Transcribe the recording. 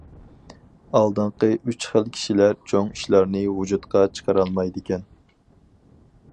ئالدىنقى ئۈچ خىل كىشىلەر چوڭ ئىشلارنى ۋۇجۇدقا چىقىرالمايدىكەن.